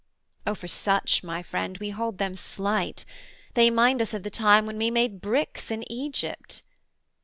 O for such, my friend, We hold them slight: they mind us of the time When we made bricks in Egypt.